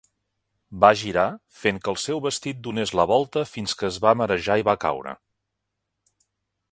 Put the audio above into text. Va girar fent que el seu vestit donés la volta fins que es va marejar i va caure.